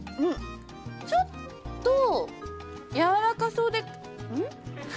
ちょっとやわらかそうで。